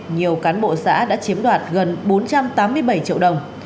nhiều cán bộ xã đã chiếm đoạt gần bốn trăm tám mươi bảy triệu đồng